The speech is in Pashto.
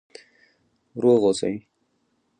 روغ اوسئ؟